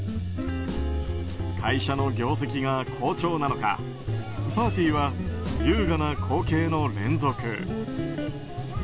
会社の業績が好調なのかパーティーは優雅な光景の連続。